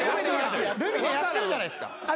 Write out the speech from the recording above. ルミネやってるじゃないですか。